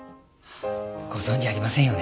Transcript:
ご存じありませんよね。